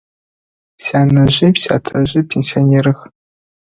Сянэжъи сятэжъи пенсионерых.